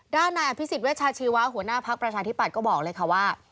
ด้านนายอภิษฎเวชาชีวะหัวหน้าภักดิ์ประชาธิปัตย์ก็บอกเลยค่ะว่า